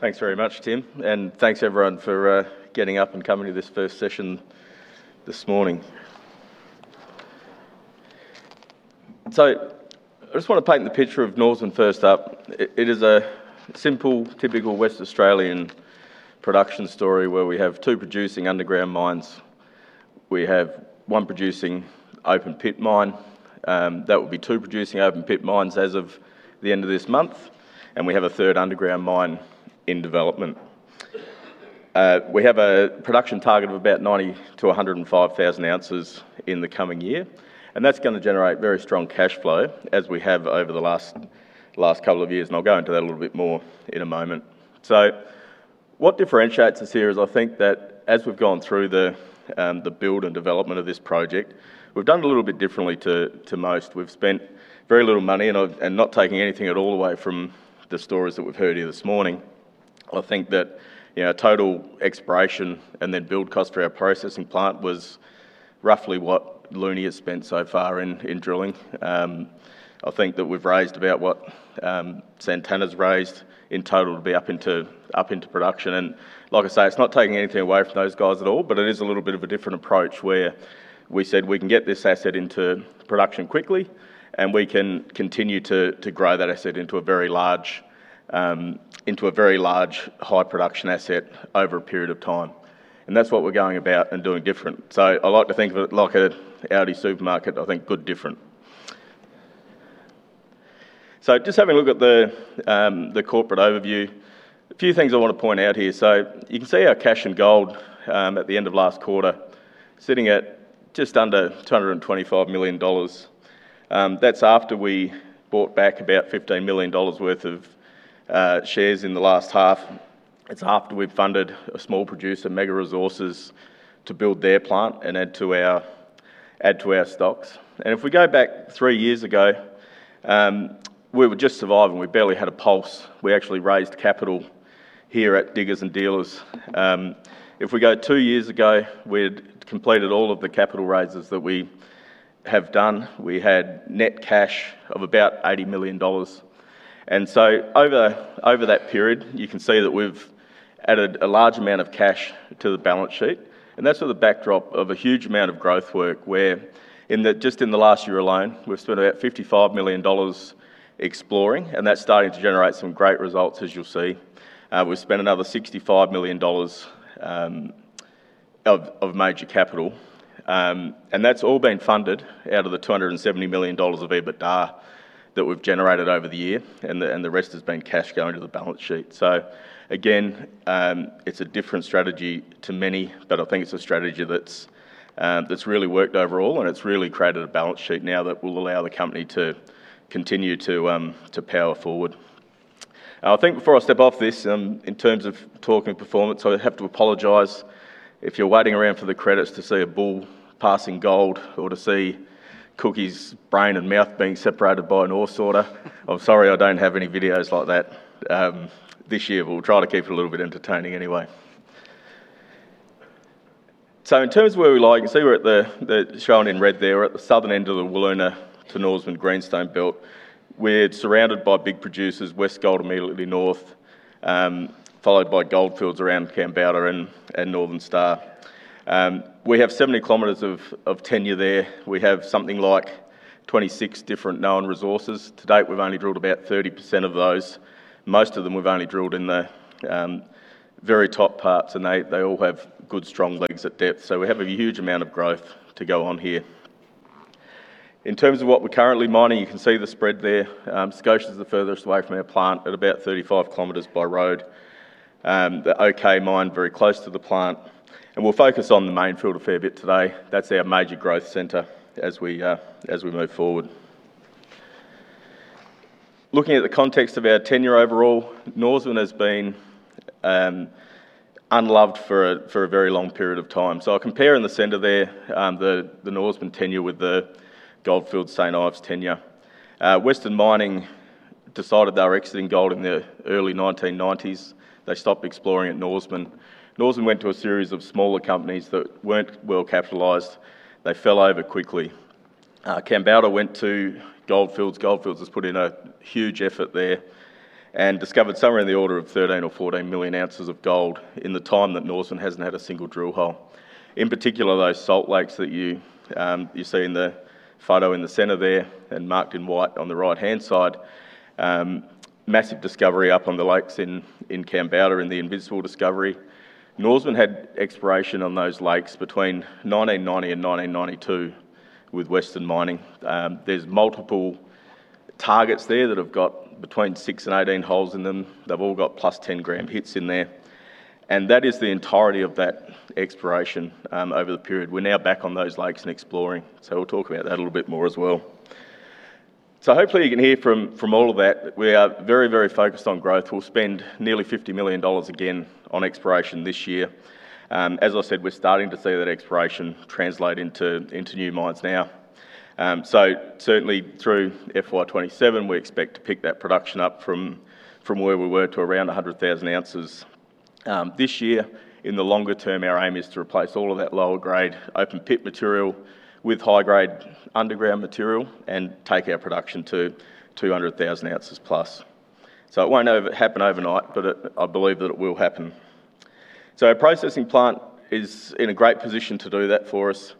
Thanks very much, Tim, and thanks, everyone, for getting up and coming to this first session this morning. I just want to paint the picture of Norseman first up. It is a simple, typical Western Australian production story where we have two producing underground mines. We have one producing open pit mine. That will be two producing open pit mines as of the end of this month. We have a third underground mine in development. We have a production target of about 90,000 to 105,000 oz in the coming year, that's going to generate very strong cash flow, as we have over the last couple of years, and I'll go into that a little bit more in a moment. What differentiates us here is I think that as we've gone through the build and development of this project, we've done it a little bit differently to most. We've spent very little money, not taking anything at all away from the stories that we've heard here this morning. I think that total exploration and then build cost for our processing plant was roughly what Lunnon has spent so far in drilling. I think that we've raised about what Santana's raised in total to be up into production. Like I say, it's not taking anything away from those guys at all, it is a little bit of a different approach, where we said we can get this asset into production quickly, and we can continue to grow that asset into a very large, high production asset over a period of time. That's what we're going about and doing different. I like to think of it like an Aldi supermarket. I think good different. Just having a look at the corporate overview. A few things I want to point out here. You can see our cash and gold at the end of last quarter sitting at just under 225 million dollars. That's after we bought back about 15 million dollars worth of shares in the last half. It's after we've funded a small producer, Mega Resources, to build their plant and add to our stocks. If we go back three years ago, we were just surviving. We barely had a pulse. We actually raised capital here at Diggers & Dealers. If we go two years ago, we had completed all of the capital raises that we have done. We had net cash of about 80 million dollars. Over that period, you can see that we've added a large amount of cash to the balance sheet, that's with a backdrop of a huge amount of growth work, where just in the last year alone, we've spent about 55 million dollars exploring, that's starting to generate some great results as you'll see. We've spent another 65 million dollars of major capital, that's all been funded out of the 270 million dollars of EBITDA that we've generated over the year. The rest has been cash going to the balance sheet. Again, it's a different strategy to many, I think it's a strategy that's really worked overall, it's really created a balance sheet now that will allow the company to continue to power forward. I think before I step off this, in terms of talking performance, I have to apologize if you're waiting around for the credits to see a bull passing gold or to see Cookie's brain and mouth being separated by an ore sorter. I'm sorry I don't have any videos like that this year. We'll try to keep it a little bit entertaining anyway. In terms of where we lie, you can see we're at the, shown in red there, we're at the southern end of the Wiluna to Norseman Greenstone Belt. We're surrounded by big producers, Westgold immediately north, followed by Goldfields around Kambalda and Northern Star. We have 70 km of tenure there. We have something like 26 different known resources. To date, we've only drilled about 30% of those. Most of them we've only drilled in the very top parts and they all have good, strong legs at depth. We have a huge amount of growth to go on here. In terms of what we're currently mining, you can see the spread there. Scotia is the furthest away from our plant at about 35 km by road. The OK Mine very close to the plant. We'll focus on the main field a fair bit today. That's our major growth center as we move forward. Looking at the context of our tenure overall, Norseman has been unloved for a very long period of time. I compare in the center there, the Norseman tenure with the Goldfields St Ives tenure. Western Mining decided they were exiting gold in the early 1990s. They stopped exploring at Norseman. Norseman went to a series of smaller companies that weren't well capitalized. They fell over quickly. Kambalda went to Goldfields. Goldfields has put in a huge effort there and discovered somewhere in the order of 13 or 14 million ounces of gold in the time that Norseman hasn't had a single drill hole. In particular, those salt lakes that you see in the photo in the center there and marked in white on the right-hand side. Massive discovery up on the lakes in Kambalda in the Invincible discovery. Norseman had exploration on those lakes between 1990 and 1992 with Western Mining. There's multiple targets there that have got between six and 18 holes in them. They've all got +10 g hits in there. That is the entirety of that exploration over the period. We're now back on those lakes and exploring. We'll talk about that a little bit more as well. Hopefully you can hear from all of that, we are very, very focused on growth. We'll spend nearly 50 million dollars again on exploration this year. As I said, we're starting to see that exploration translate into new mines now. Certainly through FY 2027, we expect to pick that production up from where we were to around 100,000 oz this year, in the longer term, our aim is to replace all of that lower grade open pit material with high grade underground material and take our production to 200,000 oz+. It won't happen overnight, but I believe that it will happen. Our processing plant is in a great position to do that for us.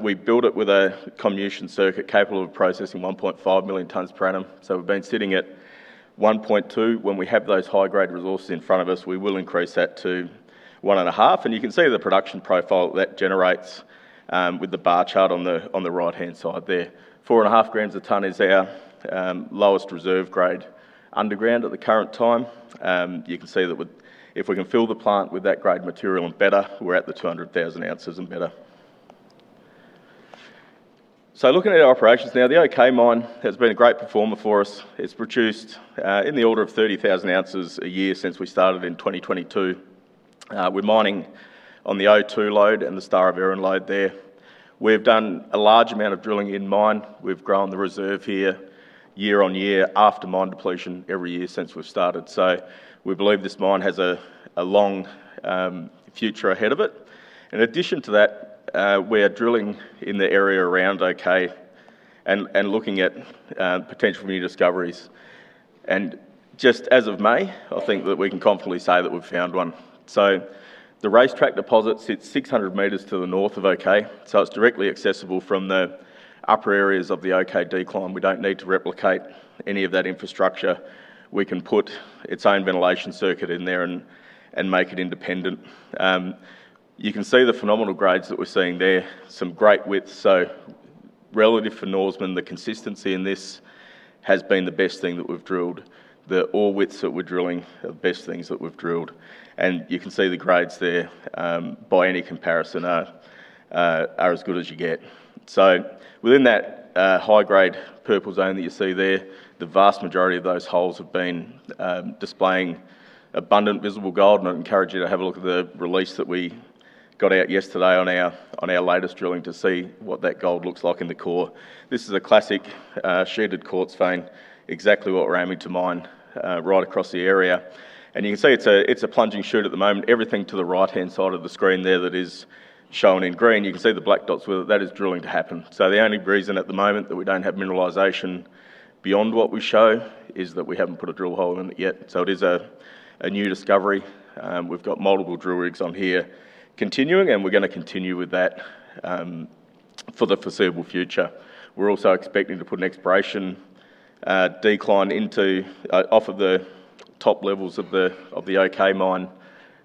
We built it with a comminution circuit capable of processing 1.5 million tons per annum. We've been sitting at 1.2. When we have those high grade resources in front of us, we will increase that to 1.5 You can see the production profile that generates with the bar chart on the right-hand side there. 4.5 g a ton is our lowest reserve grade underground at the current time. You can see that if we can fill the plant with that grade material and better, we're at the 200,000 oz and better. Looking at our operations now, the OK Mine has been a great performer for us. It's produced in the order of 30,000 oz a year since we started in 2022. We're mining on the O2 Lode and the Star of Erin Lode there. We've done a large amount of drilling in-mine. We've grown the reserve here year-on-year after mine depletion every year since we've started. We believe this mine has a long future ahead of it. In addition to that, we are drilling in the area around OK and looking at potential new discoveries. Just as of May, I think that we can confidently say that we've found one. The Racetrack deposit sits 600 m to the North of OK, so it's directly accessible from the upper areas of the OK decline. We don't need to replicate any of that infrastructure. We can put its own ventilation circuit in there and make it independent. You can see the phenomenal grades that we're seeing there, some great widths. Relative for Norseman, the consistency in this has been the best thing that we've drilled. The ore widths that we're drilling are the best things that we've drilled. You can see the grades there, by any comparison, are as good as you get. Within that high grade purple zone that you see there, the vast majority of those holes have been displaying abundant visible gold, and I'd encourage you to have a look at the release that we got out yesterday on our latest drilling to see what that gold looks like in the core. This is a classic sheeted quartz vein. Exactly what we're aiming to mine right across the area. You can see it's a plunging shoot at the moment. Everything to the right-hand side of the screen there that is shown in green, you can see the black dots where that is drilling to happen. The only reason at the moment that we don't have mineralization beyond what we show is that we haven't put a drill hole in it yet. It is a new discovery. We've got multiple drill rigs on here continuing, and we're going to continue with that for the foreseeable future. We're also expecting to put an exploration decline off of the top levels of the OK Mine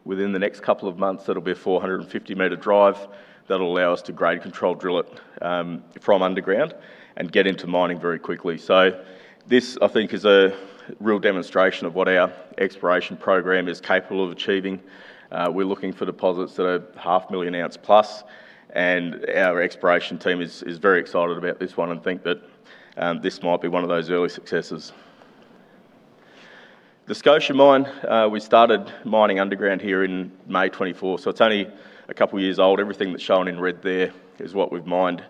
within the next couple of months. That'll be a 450-m drive that'll allow us to grade control drill it from underground and get into mining very quickly. This, I think, is a real demonstration of what our exploration program is capable of achieving. We're looking for deposits that are 500,000 oz+ and our exploration team is very excited about this one and think that this might be one of those early successes. The Scotia Mine, we started mining underground here in May 2024, so it's only a couple of years old. Everything that's shown in red there is what we've mined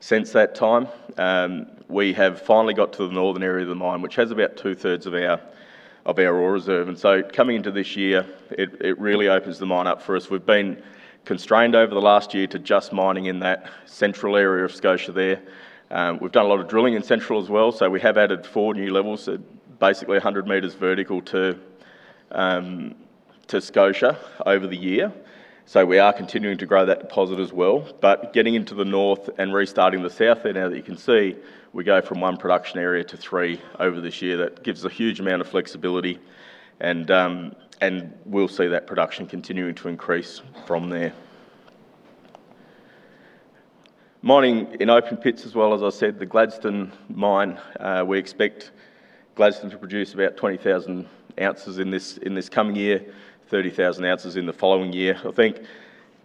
since that time. We have finally got to the northern area of the mine, which has about 2/3 of our ore reserve. Coming into this year, it really opens the mine up for us. We've been constrained over the last year to just mining in that central area of Scotia there. We've done a lot of drilling in central as well, so we have added four new levels, so basically 100 m vertical to Scotia over the year. We are continuing to grow that deposit as well. Getting into the North and restarting the South there, now that you can see, we go from one production area to three over this year. That gives a huge amount of flexibility and we'll see that production continuing to increase from there. Mining in open pits as well, as I said, the Gladstone Mine. We expect Gladstone to produce about 20,000 oz in this coming year, 30,000 oz in the following year. I think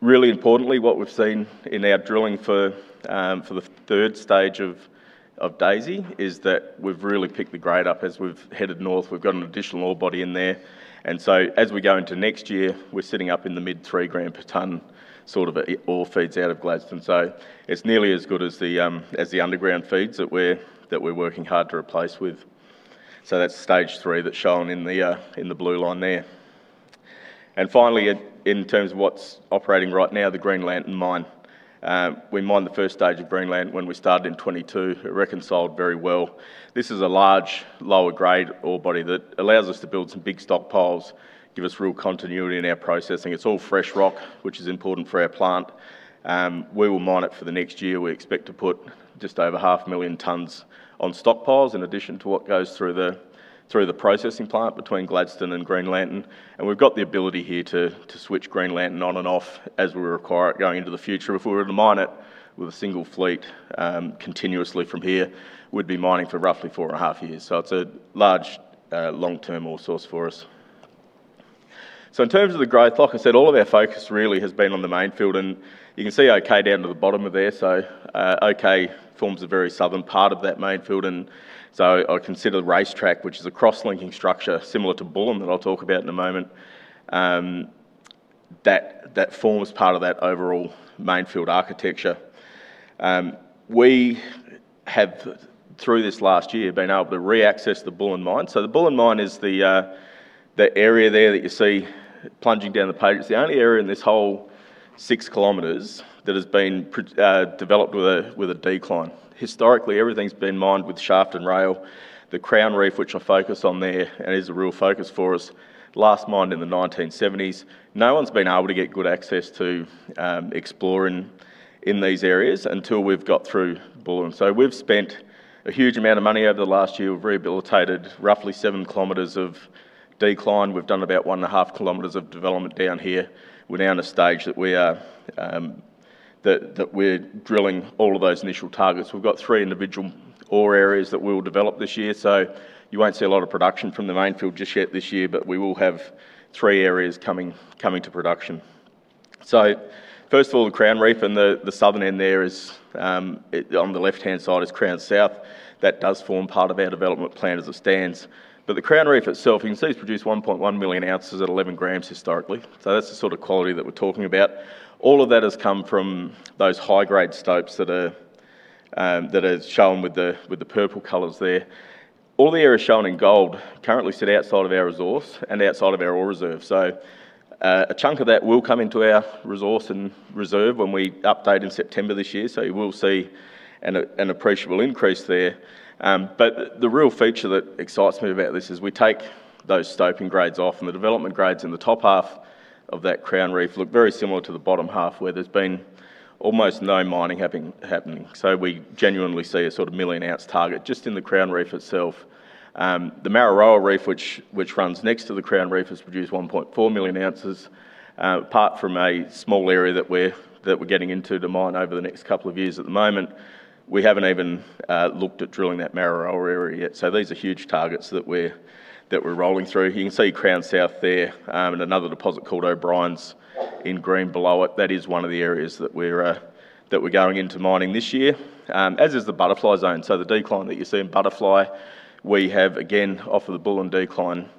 really importantly, what we've seen in our drilling for the Stage 3 of Daisy is that we've really picked the grade up as we've headed North. We've got an additional ore body in there. As we go into next year, we're sitting up in the mid-3 g per ton sort of ore feeds out of Gladstone. It's nearly as good as the underground feeds that we're working hard to replace with. That's Stage 3 that's shown in the blue line there. Finally, in terms of what's operating right now, the Green Lantern Mine. We mined the Stage 1 of Green Lantern when we started in 2022. It reconciled very well. This is a large, lower grade ore body that allows us to build some big stockpiles, give us real continuity in our processing. It's all fresh rock, which is important for our plant. We will mine it for the next year. We expect to put just over half a million tons on stockpiles in addition to what goes through the processing plant between Gladstone and Green Lantern. We've got the ability here to switch Green Lantern on and off as we require it going into the future. If we were to mine it with a single fleet continuously from here, we'd be mining for roughly 4.5 years. It's a large, long-term ore source for us. In terms of the growth, like I said, all of our focus really has been on the main field, and you can see OK down to the bottom of there. OK forms a very southern part of that main field, I consider Racetrack, which is a cross-linking structure similar to Bullen that I'll talk about in a moment. That forms part of that overall mainfield architecture. We have, through this last year, been able to re-access the Bullen mine. The Bullen mine is the area there that you see plunging down the page. It's the only area in this whole 6 km that has been developed with a decline. Historically, everything's been mined with shaft and rail. The Crown Reef, which I focus on there, and is a real focus for us, last mined in the 1970s. No one's been able to get good access to exploring in these areas until we've got through Bullen. We've spent a huge amount of money over the last year. We've rehabilitated roughly 7 km of decline. We've done about 1.5 km of development down here. We're now at a stage that we're drilling all of those initial targets. We've got three individual ore areas that we will develop this year. You won't see a lot of production from the main field just yet this year, but we will have three areas coming to production. First of all, the Crown Reef and the Southern end there is, on the left-hand side, is Crown South. That does form part of our development plan as it stands. The Crown Reef itself, you can see has produced 1.1 million ounces at 11 g historically. That's the sort of quality that we're talking about. All of that has come from those high-grade stopes that are shown with the purple colors there. All the area shown in gold currently sit outside of our resource and outside of our ore reserve. A chunk of that will come into our resource and reserve when we update in September this year. You will see an appreciable increase there. The real feature that excites me about this is we take those stope and grades off and the development grades in the top half of that Crown Reef look very similar to the bottom half, where there's been almost no mining happening. We genuinely see a sort of million-ounce target just in the Crown Reef itself. The Mararoa Reef, which runs next to the Crown Reef, has produced 1.4 million ounces. Apart from a small area that we're getting into to mine over the next couple of years, at the moment, we haven't even looked at drilling that Mararoa area yet. These are huge targets that we're rolling through. You can see Crown South there, and another deposit called O'Brien's in green below it. That is one of the areas that we're going into mining this year, as is the Butterfly Zone. The decline that you see in Butterfly, we have again, off of the Bullen decline,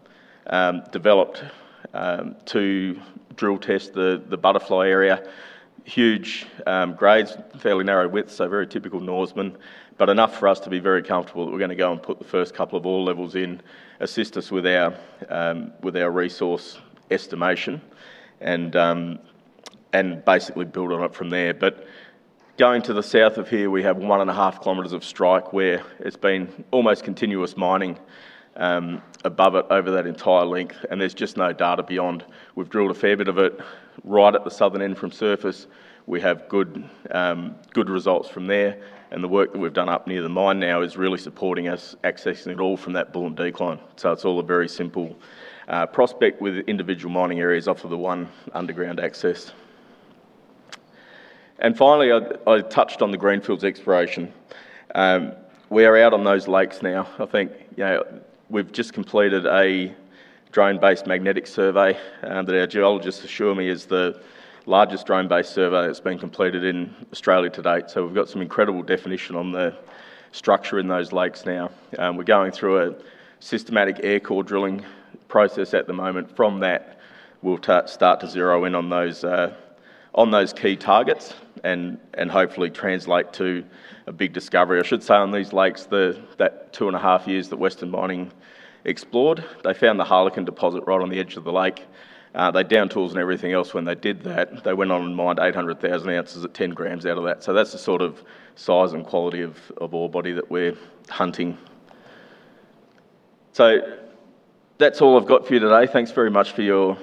developed to drill test the Butterfly area. Huge grades, fairly narrow width, very typical Norseman, but enough for us to be very comfortable that we're going to go and put the first couple of ore levels in, assist us with our resource estimation and basically build on it from there. Going to the south of here, we have 1.5 km of strike where it's been almost continuous mining above it over that entire length, and there's just no data beyond. We've drilled a fair bit of it right at the southern end from surface. We have good results from there, and the work that we've done up near the mine now is really supporting us accessing it all from that Bullen decline. It's all a very simple prospect with individual mining areas off of the one underground access. Finally, I touched on the Greenfields exploration. We are out on those lakes now. I think we've just completed a drone-based magnetic survey that our geologists assure me is the largest drone-based survey that's been completed in Australia to date. We've got some incredible definition on the structure in those lakes now. We're going through a systematic air core drilling process at the moment. From that, we'll start to zero in on those key targets and hopefully translate to a big discovery. I should say on these lakes, that two and a half years that Western Mining explored, they found the Harlequin deposit right on the edge of the lake. They downed tools and everything else when they did that. They went on and mined 800,000 oz at 10 g out of that. That's the sort of size and quality of ore body that we're hunting. That's all I've got for you today. Thanks very much for your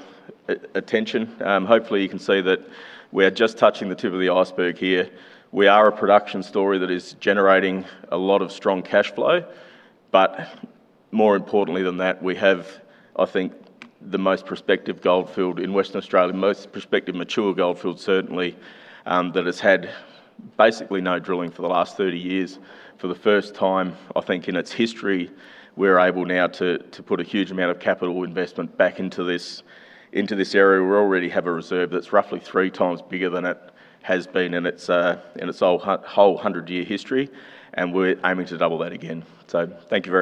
attention. Hopefully, you can see that we are just touching the tip of the iceberg here. We are a production story that is generating a lot of strong cash flow. More importantly than that, we have, I think, the most prospective gold field in Western Australia, the most prospective mature gold field, certainly, that has had basically no drilling for the last 30 years. For the first time, I think, in its history, we're able now to put a huge amount of capital investment back into this area. We already have a reserve that's roughly 3x bigger than it has been in its whole 100-year history, and we're aiming to double that again. Thank you very much